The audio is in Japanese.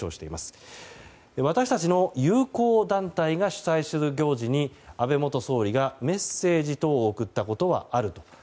私たちの友好団体が主催する行事に安倍元総理がメッセージ等を送ったことはある。